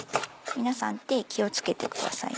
皆さん手気を付けてくださいね。